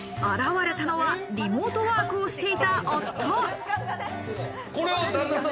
現れたのはリモートワークをしていた夫。